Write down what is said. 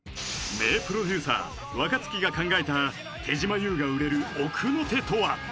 名プロデューサー若槻が考えた手島優が売れる奥の手とは？